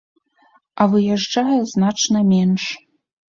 А выязджае значна менш.